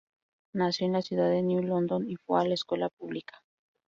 Nació en la ciudad de New London y fue a la escuela pública.